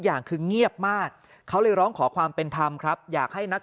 อย่างคือเงียบมากเขาเลยร้องขอความเป็นธรรมครับอยากให้นัก